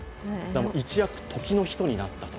一躍時の人になったと。